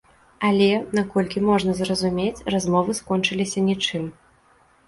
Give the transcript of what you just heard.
Але, наколькі можна зразумець, размовы скончыліся нічым.